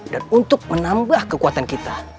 dan untuk menambah kekuatan kita